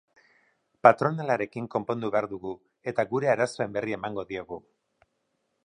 Patronalarekin konpondu behar dugu, eta gure arazoen berri emango diogu.